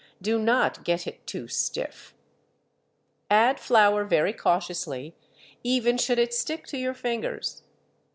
Do not get it too stiff. Add flour very cautiously even should it stick to your fingers.